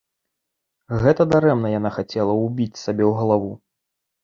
Гэта дарэмна яна хацела ўбіць сабе ў галаву.